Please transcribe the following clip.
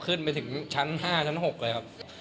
ขึ้นไปถึงชั้น๕ชั้น๖เลยครับ